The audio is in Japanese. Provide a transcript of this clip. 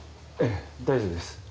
ええ大丈夫です。